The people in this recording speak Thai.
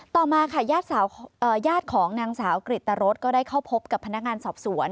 ต่อมาค่ะญาติของนางสาวกริตรสก็ได้เข้าพบกับพนักงานสอบสวน